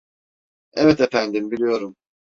Evet, efendim, biliyorum.